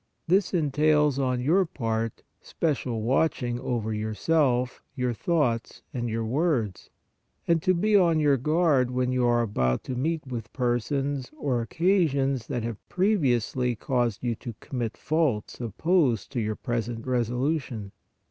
This entails on your part special watch 166 PRAYER ing over yourself, your thoughts and your words, and to be on your guard when you are about to meet with persons or occasions that have previously caused you to commit faults opposed to your present resolution.